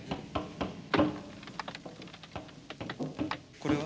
これは？